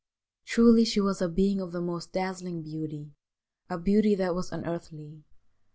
Truly she was a being of the most dazzling beauty — a beauty that was unearthly.